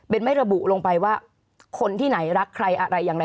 เป็นไม่ระบุลงไปว่าคนที่ไหนรักใครอะไรอย่างไร